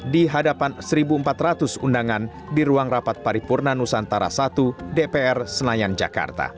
di hadapan satu empat ratus undangan di ruang rapat paripurna nusantara i dpr senayan jakarta